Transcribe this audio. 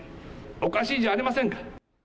おかしいじゃありませんか。